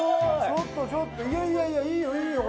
ちょっとちょっといやいやいやいいよいいよ